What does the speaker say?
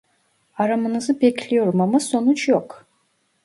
Aramanızı bekliyorum ama sonuç yok